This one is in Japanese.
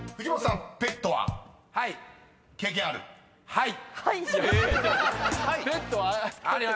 はい。